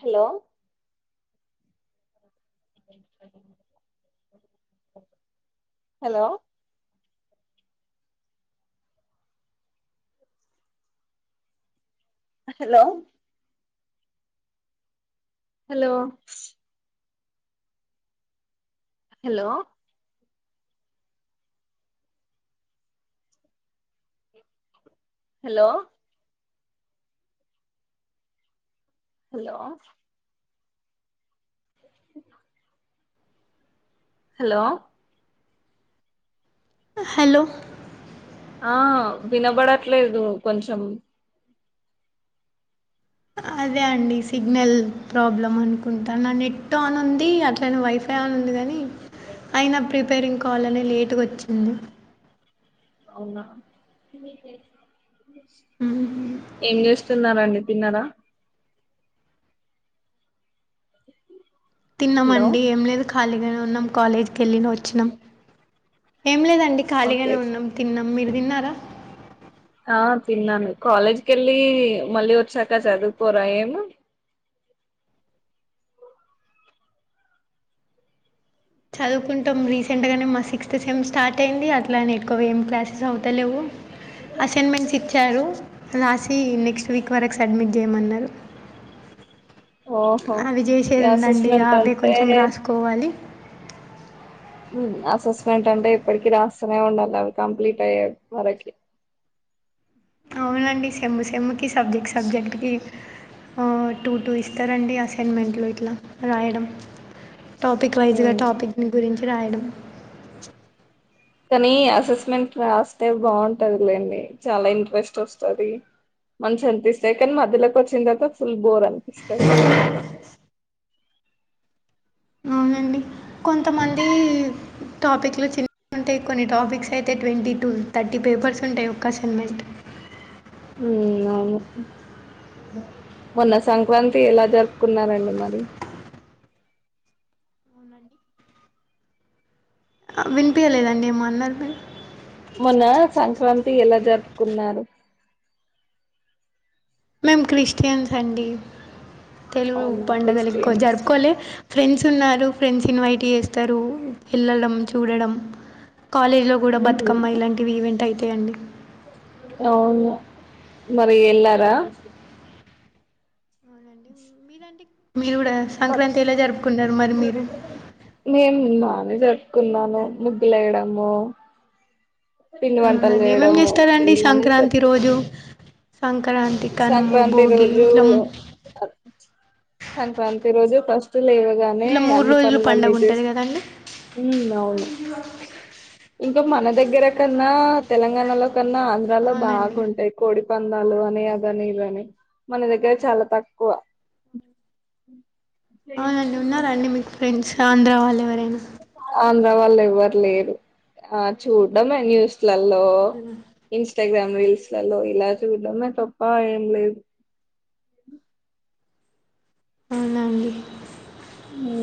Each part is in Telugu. Hello hello hello hello hello hello hello hello ఆ హలో ఆ వినబడట్లేదు కొంచెం అదే అండి సిగ్నల్ ప్రాబ్లమ్ అనుకుంటా నా నెట్ ఆన్ ఉంది అట్లనే వైఫై ఆన్ లో ఉంది కాని అయినా ప్రిపేరింగ్ కావాలనే లేటుగా వచ్చింది అవునా మ్మ్. ఏం చేస్తున్నారాండి తిన్నారా హలో తిన్నామండి ఏం లేదు ఖాళీగానే ఉన్నాం కాలేజీకి వెళ్ళిన వచ్చినాం ఏం లేదండి అండి ఓకే ఖాళీగనే ఉన్నాం తిన్నం. మీరు తిన్నారా? ఆ తిన్నాను కాలేజ్ వెళ్ళి మళ్ళీ వచ్చాక చదువుకోరా ఏమి చదువుకుంటాం రీసెంట్ గానే మా సిక్స్త్ సెమ్ స్టార్ట్ అయింది అట్లా ఎక్కువ ఏం క్లాసెస్ అవుతలేవు అసైన్మెంట్స్ ఇచ్చారు రాసి నెక్స్ట్ వీక్ వరకు సడ్మిట్ చేయమన్నారు ఓహో అవి ఈ చేసేదిందండి అసెస్మెంట్ అవే అంటే కొంచెం రాసుకోవాలి అసెస్మెంట్ అంటే ఇప్పటికి రాస్తూనే ఉండాలి అవి కంప్లీట్ అయ్యే వరకి నో సౌండ్ అవునండి సేమ్ సిమ్ముకు సబ్జెక్ట్ సబ్జెక్ట్కి టూ టూ ఇస్తారండి అసైన్మెంట్లు ఇట్లా రాయడం టాపిక్ వైజ్ గా ఉమ్ టాపిక్ ని గురించి రాయడం కానీ అసెస్మెంట్ రాస్తే బాగుంటదిలేండి చాలా ఇంట్రెస్ట్ వస్తుంది మంచిగా అనిపిస్తది కానీ మధ్యలోకి వచ్చిన తర్వాత ఫుల్ బోర్ అనిపిస్తుంది అవునండి కొంతమంది టాపిక్ లో చి ఉంటాయి కొన్ని టాపిక్స్ అయితే ట్వంటీ టు థర్టీ పేపర్స్ ఉంటాయి ఒక్క ఆన్మెంట్ ఉ అవును మొన్న సంక్రాంతి ఎలా జరుపుకున్నారండి మరి వినిపించలేదండి ఏమో అన్నారు మీరు మొన్న సంక్రాంతి ఎలా జరుపుకున్నారు మేము క్రిస్టియన్స్ అండి తెలుగు అవునా పండుగలు ఎక్కువ క్రిస్టియన్స్ జరుపుకోలే ఫ్రెండ్స్ ఉన్నారు ఫ్రెండ్స్ ఇన్వైట్ చేస్తారు వెళ్ళడం చూడడం కాలేజీలో కూడా ఉమ్, బతుకమ్మ ఇలాంటివి ఈవెంట్ అవుతాయం అండి అవును మరి వెళ్లారా మీరంటే మీరు కూడా బ- సంక్రాంతి ఎలా జరుపుకున్నారు మరి మీరు జరుక్కున్నాను ముగ్గులు వేయడము పిండి వంటలు అవునండి ఏమేం చేయడము చేస్తారండి ఇలానే సంక్రాంతి చేస్తాం రోజు సంక్రాంతి కనుము సంక్రాంతి భోగి రోజు ఇట్లా సంక్రాంతి రోజు ఫస్ట్ లేవగానే ఇట్లా మూడు అన్ని రోజులు పండుగ పనులన్న ఉంటది చేస్త కదండి అవును ఇంకా మన దగ్గర కన్నా తెలంగాణలో కన్నా ఆంధ్రాలో అవునండి బాగుంటాయి కోడి పంద్యాలు పంద్యాలు అని అదని ఇద అని మన దగ్గర చాలా తక్కువ ఎవరైనా ఉన్నండి మీకు ఫ్రెండ్స్ ఆంధ్ర వాళ్ళు ఎవరైనా ఆంధ్ర వాళ్ళు ఎవ్వరు లేరు ఆ చూడ్డమే ఫోన్లో ఇన్స్టాగ్రామ్ లో న్యూస్ లో ఇలా చూడడం తప్ప ఏం లేదు ఉ అవునా అండి ఉ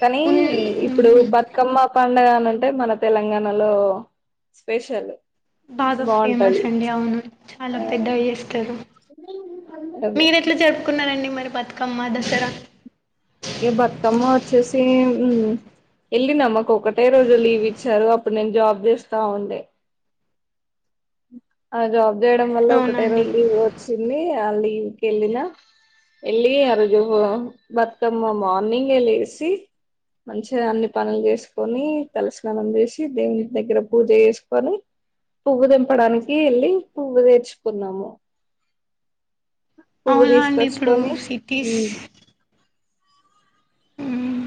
కానీ ఉన్ ఇప్పుడు బతుకమ్మ పండుగ అంటే మన తెలంగాణలో స్పెషల్ బాగా ఫేమస్ బాగుంటది అండి అవును చాలా ఆ పెద్దగా చేస్తారు అదే మీరు ఎట్లా జరుపుకున్నారండి మరి బతుకమ్మ దసరా ఈగా బతుకమ్మ వచ్చేసి వెళ్ళిన మాకు ఒకటే రోజు లీవ్ ఇచ్చారు అప్పుడు నేను జాబ్ చేస్తా ఉండే ఆ జాబ్ చేయడం వల్ల ఒకటే అవునండి రోజు లీవ్ వచ్చింది ఆ లీవ్ వకెళ్ళిన వెళ్ళి ఆ రోజు బతుకమ్మ మార్నింగ్ ఎ లేసి మంచిగా అన్ని పనులు చేసుకొని తలస్నానం చేసి దేవుని దగ్గర పూజ చేసుకొని పువ్వు దింపడానికి వెళ్ళి పువ్వు తెచ్చు కున్నాము పువ్వు అవునా అండి ఇప్పుడు తీసుకొచ్చుకొని సిటీస్ ఉమ్ మ్మ్,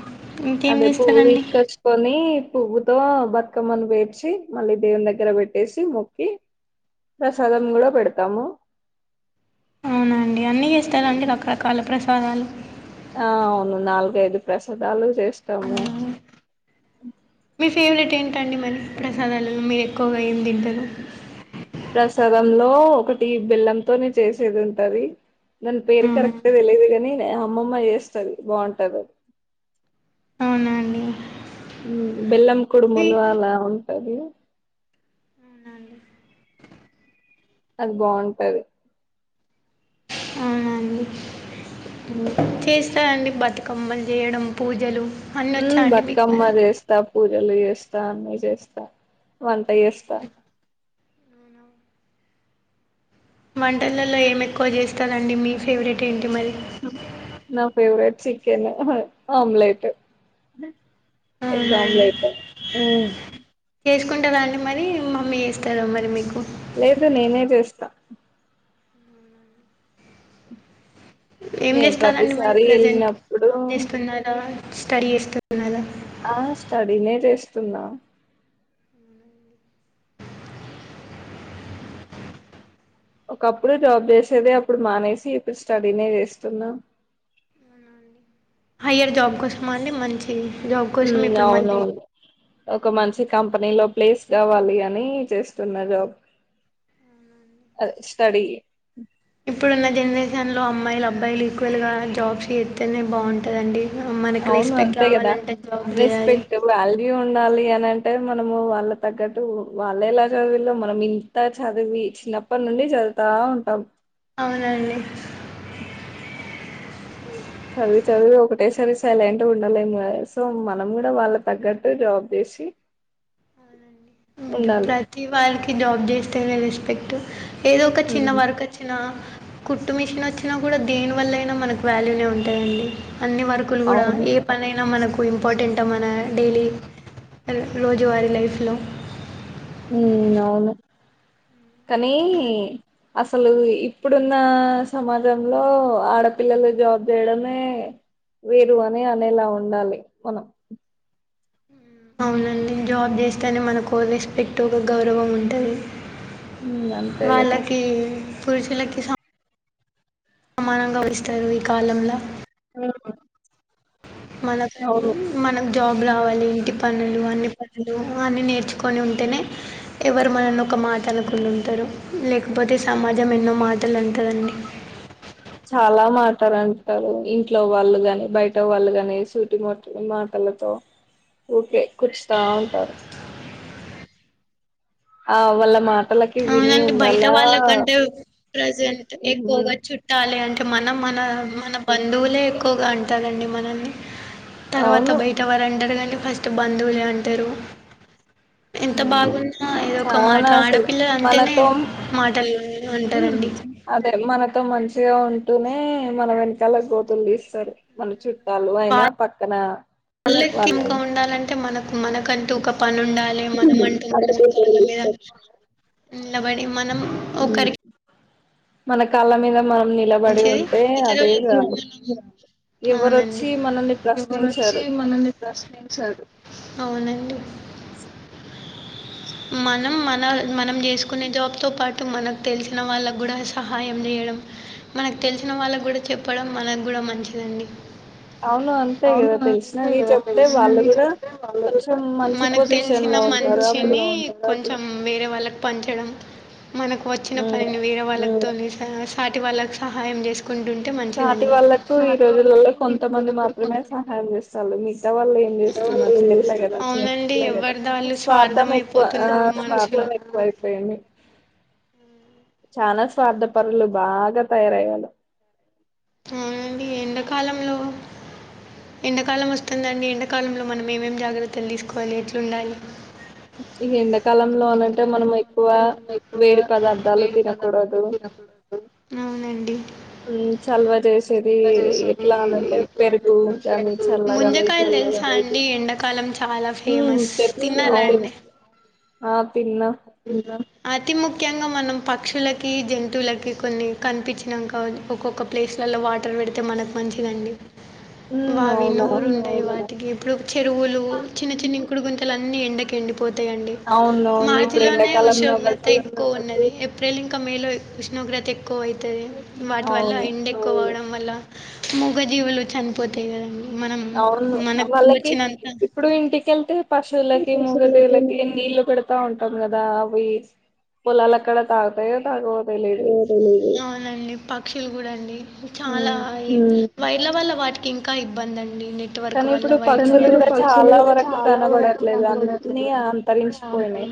ఇంకేం అదే పువ్వు చేస్తారండి తీసుకొచ్చుకొని పువ్వుతో బతుకమ్మను పేర్చి మళ్ళీ దేవుని దగ్గర పెట్టేసి మొక్కి ప్రసాదం కూడా పెడతాము అవునాండి అన్ని చేస్తారు అండి రకరకాల ప్రసాదాలు ఆ అవును నాలుగైదు ప్రసాదాలు చేస్తాము మీ ఫేవరెట్ ఏంటండి మరి ప్రసాదాలలో మీరు ఎక్కువగా ఏం దింటరూ ప్రసాదంలో ఒకటి బెల్లంతోనే చేసేది ఉంటది దాని పేరు అవునా కరెక్టుగా తెలీదు కానీ అమ్మమ్మ చేస్తది బాగుంటది అది అవునా అండి బెల్లం కుడుమలు స్వీట్ అలా ఉంటది అది బాగుంటది అవునా అండి ఉ చేస్తారండి బతుకమ్మలు చేయడం పూజలు అన్నీ వచ్చా ఉమ్ అండి మీకు బతుకమ్మ మరి జేస్తా పూజలు చేస్తా అన్నీ చేస్తా వంట చేస్తా వంటలలో ఏమీ ఎక్కువ చేస్తారుండి మీ ఫేవరెట్ ఏంటి మరి నా ఫేవరేట్ చికెన్ ఆమ్లెట్ ఎగ్ అవునా అండి ఆమ్లెట్ చేసుకుంటారా అండి మరి మమ్మీ చేస్తారా మరి మీకు లేదు నేనే చేస్తా ఏం నే చేస్తారండి మళ్ళీ ప్రతిసారి ప్రజెంట్ వెళ్ళినప్పుడు జాబ్ చేస్తున్నారా స్టడీ చేస్తున్నారా ఆ స్టడీనే చేస్తున్నా ఒకప్పుడు జాబ్ చేసేదే అప్పుడు మానేసి ఇప్పుడు స్టడీనే చేస్తున్నాం హయ్యర్ జాబ్ కోసం అండి మంచి జాబ్ కోసం ఉమ్ ఇప్పుడు మళ్ళీ అవునవును ఒక మంచి కంపెనీ లో ప్లేస్ కావాలి అని చేస్తున్న జాబ్ అదే స్టడీ ఇప్పుడున్న జనరేషన్లో అమ్మాయిలు అబ్బాయిలు ఈక్వల్గా జాబ్స్ చేస్తేనే బాగుంటుందండి మనకి అవును రెస్పెక్ట్ అంతే కదా రావాలంటే జాబ్ చేయాలి రెస్పెక్ట్ వాల్యూ ఉ ఉండాలి అని అంటే మనము వాళ్ళ తగ్గట్టు వాళ్ళ ఎలా చదివులో మనం ఇంత చదివి చిన్నప్పటి నుండి చదువుతా ఉంటాం అవునండి చదువు చదువువి ఒకటే సారి సైలెంట్ గా ఉండలేము సో మనం కూడా వాళ్ళ తగ్గట్టు జాబ్ చే సి ప్రతి వాళ్ళకి జాబ్ చేస్తేనే రెస్పెక్ట్ ఏదో ఒక చిన్న ఉమ్ వర్క్ వచ్చిన కుట్టు మిషన్ వచ్చినా కూడా దేని వల్ల అయినా మనకు వాల్యూనే ఉంటాయండి అన్ని వర్క్ లు కూడా అవును ఏ పనైనా మనకు ఇంపార్టెంట్ అంట మన డైలీ రోజువారీ లైఫ్లో ఉ అవును కానీ అసలు ఇప్పుడున్న సమాజంలో ఆడపిల్లలు జాబ్ చేయడమే వేరు అని అనేలా ఉండాలి మనం అవునని జాబ్ చేస్తేనే మన కో రెస్పెక్ట్ ఒక గౌరవం ఉంటుంది ఉమ్ అంతే కదా వాళ్ళకి పురుషులకి సా సమానంగా వస్తారు ఈ కాలంలో ఆ మనకని మన జాబ్ బ రావాలి ఇంటి పనులు అన్ని పనులు అన్ని నేర్చుకొని ఉంటేనే ఎవరు మనని ఒక మాట మాటాలకులు ఉంటారు లేకపోతే సమాజం ఎన్నో మాటలు అంటుందండి అ చాలా మాటారుంటారు ఇంట్లో వాళ్ళు ని బయట వాళ్ళు ని సూటి మట్ని మాట ళతో ఊకే కూర్చుతా ఉంటారు ఆ వాళ్ళ మాటల డి బయట వాళ్ళకంటే ప్రజెంట్ ఎక్కువగా ఉమ్ చుట్టాలి అంే అంటే మనం మన మన బంధువులే ఎక్కువగా అంటారుండి మనల్ని తర్వాత అవును బయట వారు అంటారు కానీ ఫస్ట్ బంధువులే అంటారు ఎంత బాగున్నా ఏదొ ఒక మాట చానా అసలు ఆడపిల్లల మనతో అదే మనతో మంచి మగా ఉంటూనే మన వెనకాల గోతులు తీస్తారు మన చుట్టాలు అయినా పక్కన వాళ్ళ మళ్ళెక్కిమ్గా ఉమ్ ఉండాలంటే మనకు మనకంటూ ఒక పని ఉండాలి మన అంటూ మీద నిలబడి మనం ఒకరికి మన కాళ్ళ మీద మనం నిలబడి ఇ ఉంటే అదే చాలు అవునండి ఎవరొచ్చి మనల్ని ఎవరుొచ్చి ప్రశ్నించారు మనల్ని ప్రశ్నించారు అవునండి మనం మన మనం చేసుకునే జాబ్తో పాటు మనకు తెలిసిన వాళ్ళకు కూడా సహాయం చేయడం మనకు తెలిసిన వాళ్ళకి కూడా చెప్పడం మనకు కూడా మంచిదండి అవును అంతే కదా అవునుంటాయి తెలిసినది కదా తె చెప్తే వాళ్ళు చె కూడా కొంచెం మంచి మనకు తె పొజిషన్ ిన లో ఉంటారు అప్పుడు మంచిని కొంచెం వేరే వాళ్ళకి పంచడం మనకు వచ్చిన ఉమ్, పనిని వేరే వాళ్ళకు తని సాటి వాళ్ళకు సహాయం చేసు సాతి వాళ్ళలకు ఈ రోజులలో వాళ్ళకు ఈ కొంతమంది రోజులలో మాత్రమే కొంతమంది సహాయం మాత్రం చేస్తారు మిగతా వాళ్ళ మిగతా వాళ్ళు ఏం చే చేస్తున్నారు కదా అవునండి ఎవరిది వాళ్ళు స్ార్ం ఎక్ స్వార్థమైపోతున్నారు మనుషులు స్వార్ం ఎక్కువ పోమ చనా స్వార్థ పరులు బాగా తయారయ్యళ అవునండి ఎండాకాలంలో ఎండాకాలం వస్తుందండి ఎండాకాలంలో మనం ఏమేం జాగ్రత్తలు తీసుకోవాలి ఎట్లుండాలి ఇంంద ఈ ఎండాకాలంలో అంట మనం ఎక్కువ వేడి పదార్థాలు వేడి పదార్ంతాలు తినకూడదు తినకూడదు అవునండి ఉమ్ చల్వ చేసేది చ జైశరి ఎట్లా అనంటే ఇలా పెరుగు ప గాని చల్లగాని తె అండి ఎండాకాలం చాలా ఫేమస్ తె తిన్నారా అవును అండి ఆ పన్న అతి ముఖ్యంగా మనం పక్షులకి జంతువులకి కొన్ని కనిపించినాక ఒక్కొక్క ప్లేస్లలో వా అట్టర్ పెడితే మనకు మంచిదండి ఉమ్ వావి అవునా నూరు ఉంటయి వాటికి ఇప్పుడు చెరువులు చిన్న చిన్న కుకుడు గుంతలు అన్నీ ఎండకండి పోతాయండి మా అవునవును ఇప్పుడు ఇలోనే ఎండాకాలం ఉష్ణోగ్రత కాబట్టి ఎక్కువ ఉన్నది ప్రేలింక మేలో ఉష్ణోగ్రత ఎక్కువ అవుతుంది వాటి వల్ల అవును ఎండ ఎక్కువ అవడం వల్ల మూగజీవులు చనిపోతాయి కదమ్ అవును వాళ్ళకి ఇప్పుడు ఇంటికిెళ్తే పశువులకి మూగదేవులకి పశువులకి నీళ్ళలు పెడతా ఉంటు ప్పం కదా అవి పొలాలక్కడ తాగతాయ తాగ అవునండి పక్షులు కూడా అండి చాలా ఉమ్ వైర్ల వల్ల వాటికి ఇంకా ఇబ్బంది అండి ఇప్పుడు కానీ పక్షులు ఇప్పుడు కూడా పక్షులు చాలా కూడా వరకు చాలా వరకు కనబడట్లేదు అన్ని కనబడట్లేదు అండి అంతరించిపోయినాయి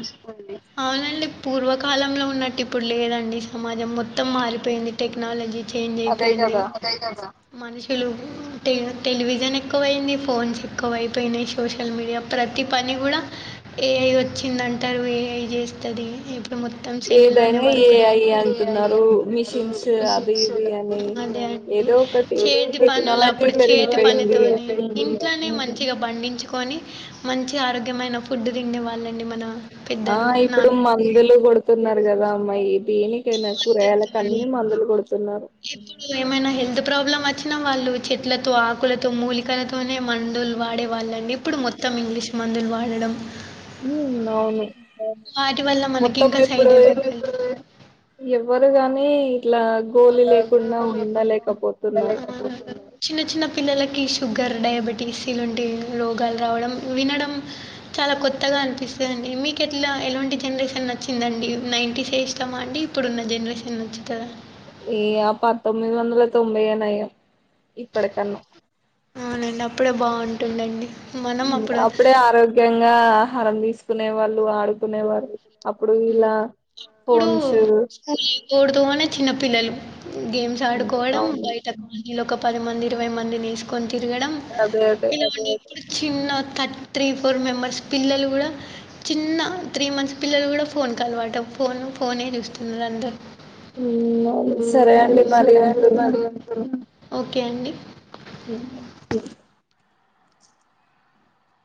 అవునండి పూర్వ కాలంలో ఉన్నట్టు ఇప్పుడు లేదండి సమాజం మొత్తం మారిపోయింది టెక్నాలజీ చేంజ్ అదే అయిపోయింది కదా మనుషులు టె టెలివిజన్ ఎక్కువైంది ఫోన్స్ ఎక్కువైపోయినాయ్ సోషల్ మీడియా ప్రతి పని గుడా ఏఐ వచ్చింది అంటారు ఏఐ జెస్తది ఇప్పుడు మొత్తం సెల్లు లోనే ఏదైనా వర్క్ ఏఐ లన్ అంటున్నారు మిషిన్స్ అది ఇది అని అదే అండి ఏదో ఒకటి చేతి పనుల టెక్నాలజీ అప్పుడు చేతి పెరిగిపోయింది పనితోనే ఉమ్. ఇంట్లోనే మంచి మంచిగా పండించుకొని మంచి ఆరోగ్యమైన ఫుడ్ తినే వాళ్ళండి మన ఆ పెద్దలు ఇప్పుడు నాన్న వాళ్ళు మందులు కొడుతున్నారు కదా అమ్మాయ్ దీని కైనా అంతతోని కూరగాయలకన్ని మందులు గొడుతున్నారు ఇప్పుడు ఏమైనా హెల్త్ ప్రాబ్లమ్ వచ్చినా వాళ్ళు చెట్లతో ఆకులతో మూలికలతోనే మందులు వాడే వాళ్ళండి ఇప్పుడు మొత్తం ఇంగ్లీష్ మందులు వాడడం ఉమ్, అవును వాటి వల్ల మనకి మొత్తం ఇంకా సైడ్ ఇప్పుడు ఎఫెక్ట్ ఉ ఎవ్వరు గాని ఇట్లా గోలి లేకుండా ఉండలేకపోతున్నారు చిన్న చిన్న పిల్లలకి షుగర్ డయాబెటీస్ ఇలాంటి రోగాలు రావడం వినడం చాలా కొత్తగా అనిపిస్తది అం డి మీకు ఎట్లా ఎలాంటి జనరేషన్ నచ్చిందండి నైంటీసే ఏ ఇష్టమా అండి ఇప్పుడున్న జనరేషన్ నచ్చుతదా ఏ ఆ పంతొమ్మిది వందల తొంభై ఏ నయమ్ అవునండి అప్పుడే బాగుంటుంది అండి అప్పుడే ఆరోగ్యంగా ఆహారం తీసుకునే వాళ్ళు ఆడు ఇప్పుడు ఫోన్స్ [unintelligible] పుడుతూనే చిన్న పిల్లలు గేమ్స్ ఆడుకోవడం అవును బయట ఇళ్ళొక పది మంది ఇరవై మందినిఏసుకొని తిరగడం అదే అదే [unintelligible] చిన్న థర్ త్రీ ఫోర్ మెంబర్స్ పిల్లలు కూడా చిన్న త్రీ మంత్స్ పిల్లలు కూడా ఫోన్ కలవాట ఫోను ఫోనే జూస్తన్నారు ఉమ్, సరే అండి మరి ఉంటున్నా అందరూ ఓకే అండి ఏ